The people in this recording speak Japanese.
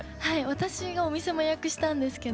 私がお店も予約したんですけど。